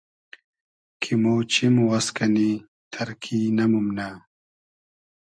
کی مۉ چیم واز کئنی تئرکی نئمومنۂ